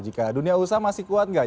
jika dunia usaha masih kuat nggak